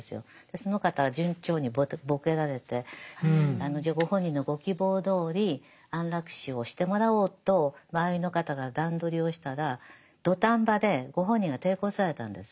その方順調にボケられてじゃあご本人のご希望どおり安楽死をしてもらおうと周りの方が段取りをしたら土壇場でご本人が抵抗されたんです。